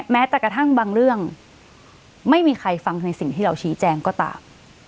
แม้แต่กระทั่งบางเรื่องไม่มีใครฟังในสิ่งที่เราชี้แจงก็ตาม